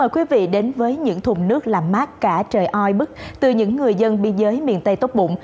quý vị đến với những thùng nước làm mát cả trời oi bức từ những người dân biên giới miền tây tốc bụng